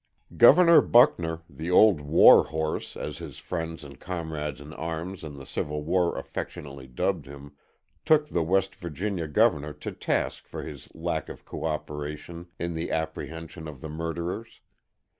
Governor Buckner, the old "warhorse," as his friends and comrades in arms in the Civil War affectionately dubbed him, took the West Virginia governor to task for his lack of coöperation in the apprehension of the murderers.